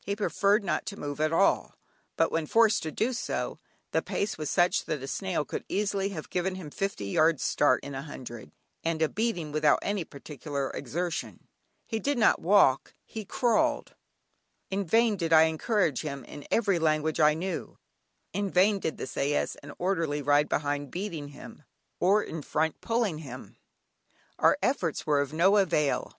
He preferred not to move at all, but when forced to do so, the pace was such that a snail could easily have given him fifty yards start in a hundred, and a beating, without any particular exertion. He did not walk, he crawled. In vain did I encourage him in every language I knew, in vain did the sais and orderly ride behind beating him, or in front pulling him, our efforts were of no avail.